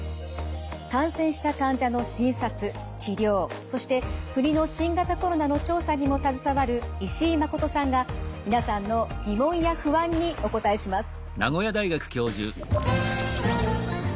感染した患者の診察治療そして国の新型コロナの調査にも携わる石井誠さんが皆さんの疑問や不安にお答えします。